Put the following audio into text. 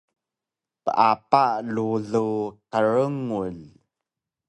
Peapa rulu qrngul